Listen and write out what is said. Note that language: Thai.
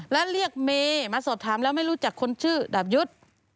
และเรียกเมย์มาสอบถามแล้วไม่รู้จักคนชื่อดาบยุทธ์